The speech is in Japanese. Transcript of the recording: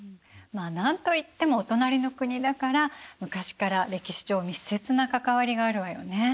まあなんといってもお隣の国だから昔から歴史上密接な関わりがあるわよね。